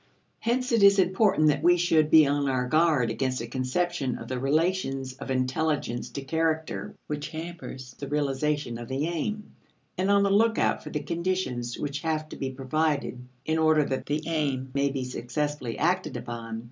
Hence it is important that we should be on our guard against a conception of the relations of intelligence to character which hampers the realization of the aim, and on the look out for the conditions which have to be provided in order that the aim may be successfully acted upon.